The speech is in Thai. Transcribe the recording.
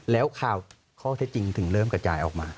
แล้วข่าวข้อเท็จจริงถึงเริ่มกระจายออกมา